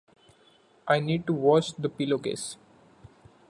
I need to wash the pillow case.